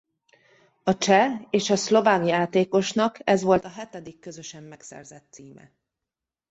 A cseh és a szlovák játékosnak ez volt a hetedik közösen megszerzett címe.